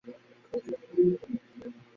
এই পর্যন্ত যাহা বলা হইল, মতবাদ হিসাবে তাহা বেশ।